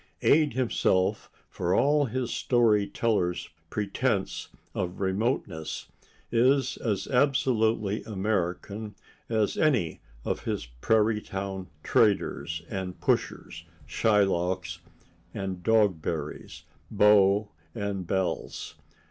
Ade himself, for all his story teller's pretense of remoteness, is as absolutely American as any of his prairie town traders and pushers, Shylocks and Dogberries, beaux and belles.